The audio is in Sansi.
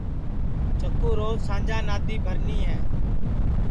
چکُو روج سانجا نادی بھرنی ہے